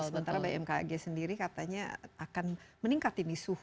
sementara bmkg sendiri katanya akan meningkatin di suhu